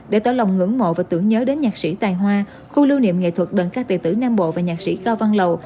để tỏ lòng ngưỡng mộ và tưởng nhớ đến nhạc sĩ tài hoa khu lưu niệm nghệ thuật đơn ca tề tử nam bộ và nhạc sĩ cao văn lầu